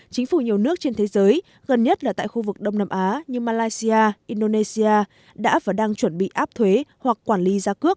chính phủ nhiều nước trên thế giới gần nhất là tại khu vực đông nam á như malaysia indonesia đã và đang chuẩn bị áp thuế hoặc quản lý giá cước